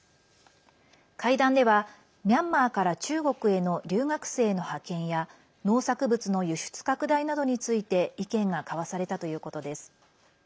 会談ではミャンマーから中国への留学生の派遣や農作物の輸出拡大などについて意見が交わされたということです。